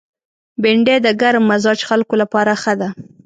بېنډۍ د ګرم مزاج خلکو لپاره ښه ده